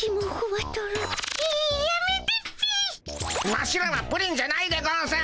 ワシらはプリンじゃないでゴンス！